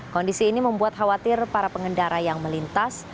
kondisi ini membuat khawatir para pengendara yang melintas